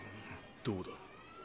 どうだ？